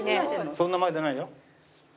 そんな前出ないよ。